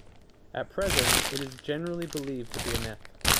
At present, it is generally believed to be a myth.